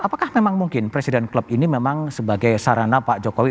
apakah memang mungkin presiden klub ini memang sebagai sarana pak jokowi